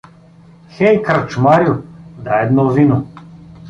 — Хей, кръчмарю, дай едно вино!